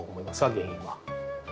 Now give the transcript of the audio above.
原因は。